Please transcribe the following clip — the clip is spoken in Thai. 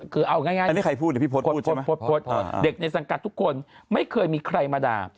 คือเอาง่ายโพสต์เด็กในสังกัดทุกคนไม่เคยมีใครมาด่า